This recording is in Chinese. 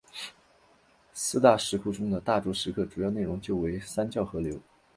四大石窟中的大足石刻主要内容就为三教合流。